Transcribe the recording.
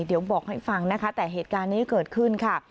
เดี๋ยวบอกให้ฟังนะคะแต่เหตุการณ์นี้เกิดขึ้นค่ะ